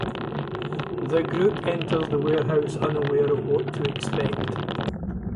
The group enters the warehouse, unaware of what to expect.